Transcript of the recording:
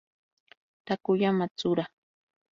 Takuya Matsuura